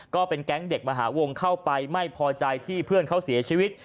ก็เป็นแก๊งเด็กมหาวงเข้าไปไม่พอใจที่เพื่อนเขาเสียชีวิต